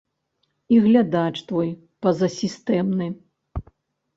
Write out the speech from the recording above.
І глядач твой пазасістэмны.